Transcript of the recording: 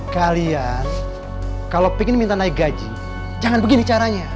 kalian kalau ingin minta naik gaji jangan begini caranya